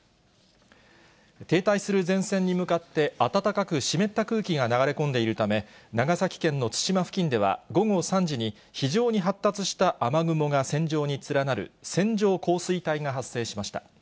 停滞する前線に向かって、暖かく湿った空気が流れ込んでいるため、長崎県の対馬付近では、午後３時に、非常に発達した雨雲が線状に連なる、線状降水帯が発生しました。